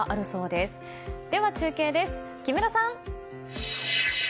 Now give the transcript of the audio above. では中継です、木村さん。